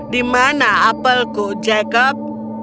di mana apelku jacob